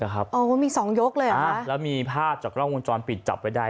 อะครับอ๋อมีสองยกเลยอะคะอ่าแล้วมีผ้าจากกล้องวงจรปิดจับไว้